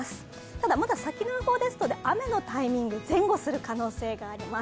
ただ、まだ先の予報ですので雨のタイミング、前後する可能性があります。